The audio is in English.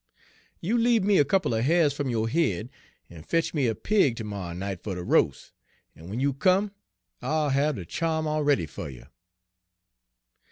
You leabe me a couple er ha'rs fum yo' head, en fetch me a pig ter morrer night fer ter roas', en w'en you come I'll hab de cha'm all ready fer you.'